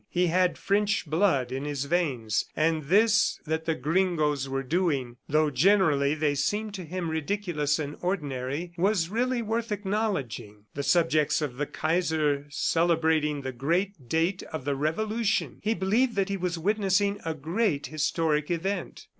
He had French blood in his veins, and this that the gringoes were doing although generally they seemed to him ridiculous and ordinary was really worth acknowledging. The subjects of the Kaiser celebrating the great date of the Revolution! He believed that he was witnessing a great historic event.